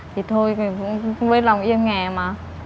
thì thôi cũng với lòng yên nghè mà